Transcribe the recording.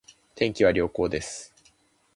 天気は良好です